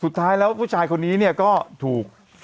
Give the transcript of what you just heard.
สุดท้ายแล้วผู้ชายคนนี้เนี่ยก็ถูก